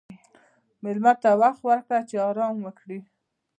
مېلمه ته وخت ورکړه چې آرام وکړي.